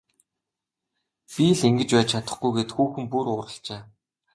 Би л ингэж байж чадахгүй гээд хүүхэн бүр уурлажээ.